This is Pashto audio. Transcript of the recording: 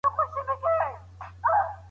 ابهام او دوه رنګي ټولنه تباه کوي.